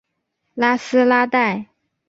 拉斯拉代。